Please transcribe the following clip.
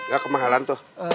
gak kemahalan tuh